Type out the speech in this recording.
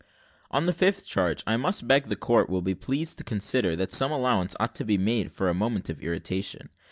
"On the fifth charge, I must beg that the court will be pleased to consider that some allowance ought to be made for a moment of irritation.